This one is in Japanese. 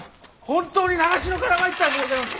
本当に長篠から参ったんでございます。